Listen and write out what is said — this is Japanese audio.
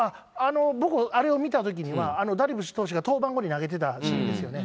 僕、あれを見たときには、ダルビッシュ投手が登板後に投げてたシーンですよね。